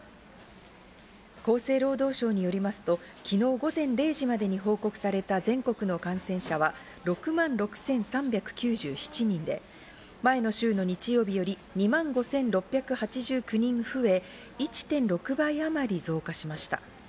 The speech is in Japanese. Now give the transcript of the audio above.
厚生労働省によりますと、昨日午前０時までに報告された全国の感染者は６万６３９７人で、前の週の日曜日より２万５６８９人増え、１．６倍あまり増加しました。